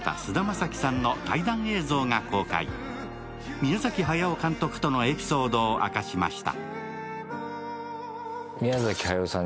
宮崎駿監督とのエピソードを明かしました。